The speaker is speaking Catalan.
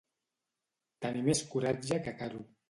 Tenir més coratge que Caro.